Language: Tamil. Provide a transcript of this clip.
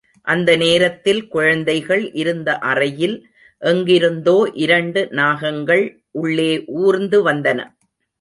அந்த நேரத்தில் குழந்தைகள் இருந்த அறையில் எங்கிருந்தோ இரண்டு நாகங்கள் உள்ளே ஊர்ந்து வந்தன.